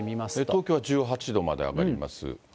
東京は１８度まで上がります。